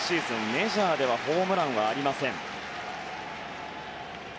メジャーではホームランがありません。